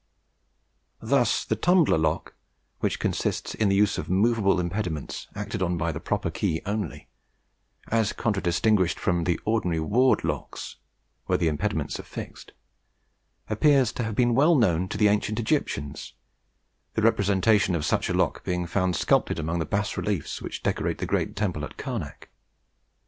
Thus the tumbler lock which consists in the use of moveable impediments acted on by the proper key only, as contradistinguished from the ordinary ward locks, where the impediments are fixed appears to have been well known to the ancient Egyptians, the representation of such a lock being found sculptured among the bas reliefs which decorate the great temple at Karnak.